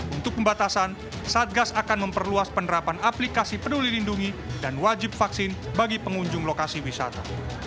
untuk pembatasan satgas akan memperluas penerapan aplikasi peduli lindungi dan wajib vaksin bagi pengunjung lokasi wisata